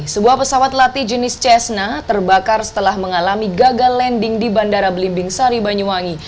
sebuah pesawat latih jenis cessna terbakar setelah mengalami gagal landing di bandara belimbing sari banyuwangi